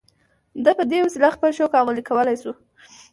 ده په دې وسیله خپل شوق عملي کولای شو